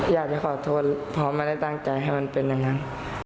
อยากจะขอโทษเพราะไม่ได้ตั้งใจให้มันเป็นอย่างนั้น